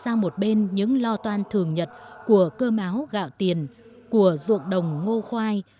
gạt sang một bên những lo toan thường nhật của cơm áo gạo tiền của ruộng đồng ngô khoai